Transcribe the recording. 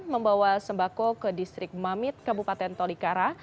membawa sembako ke distrik mamit kabupaten tolikara